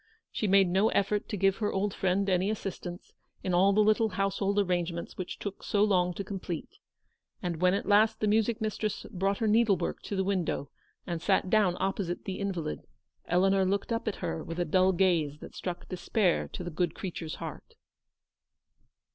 She made no effort to give her old friend any assistance in all the little household arrange ments which took so long to complete, and when at last the music mistress brought her needle work to the window, and sat down opposite the invalid, Eleanor looked up at her with a dull gaze that struck despair to the good creature's heart.